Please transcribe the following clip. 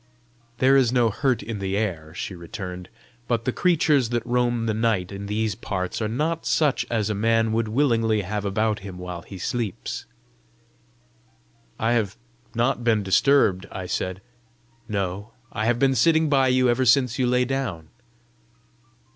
"There is no hurt in the air," she returned; "but the creatures that roam the night in these parts are not such as a man would willingly have about him while he sleeps." "I have not been disturbed," I said. "No; I have been sitting by you ever since you lay down."